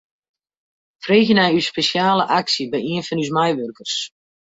Freegje nei ús spesjale aksje by ien fan ús meiwurkers.